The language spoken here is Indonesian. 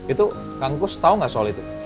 itu kang kus tau gak soal itu